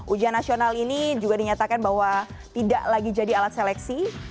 ujian nasional ini juga dinyatakan bahwa tidak lagi jadi alat seleksi